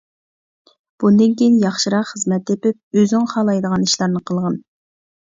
بۇندىن كىيىن ياخشىراق خىزمەت تېپىپ، ئۆزۈڭ خالايدىغان ئىشلارنى قىلغىن.